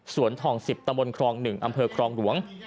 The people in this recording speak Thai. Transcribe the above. สวนทอง๑๐ตะมนครอง๑อำเภอครองหลวง